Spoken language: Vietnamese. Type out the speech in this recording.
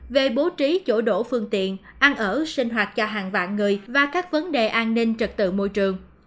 về bố trí chỗ đổ phương tiện ăn ở sinh hoạt cho hàng vạn người và các vấn đề an ninh trật tự môi trường